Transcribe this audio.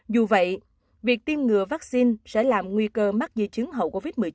dù vậy việc tiêm ngừa vaccine sẽ làm nguy cơ mắc di chứng hậu covid một mươi chín